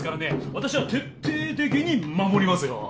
私は徹底的に守りますよ。